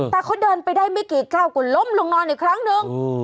แต่เขาเดินไปได้ไม่กี่ก้าวกว่าล้มลงนอนอีกครั้งหนึ่ง